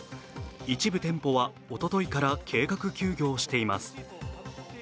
一部店舗はおとといから計画休業しています。